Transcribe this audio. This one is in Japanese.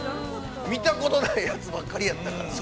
◆見たことないやつばっかりやったから。